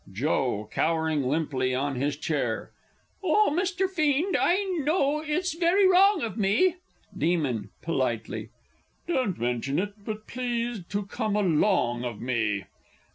Joe, (cowering limply on his chair). O Mr. Fiend, I know it's very wrong of me! Demon (politely). Don't mention it but please to come "along of" me?